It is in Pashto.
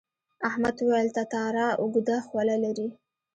احمد وویل تتارا اوږده خوله لري.